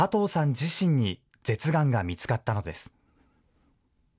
自身に舌がんが見つかったのです。